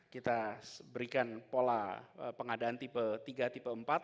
kita berikan pola pengadaan tipe tiga tipe empat